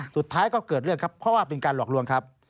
สุดท้ายก็เกิดเรื่องครับเพราะว่าเป็นการหลอกลวงครับ